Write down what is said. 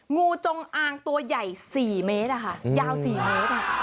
งูจงอางตัวใหญ่๔เมตรอะค่ะยาว๔เมตร